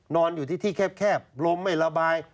นอนอยู่ที่ที่แคบลมไม่ระบาย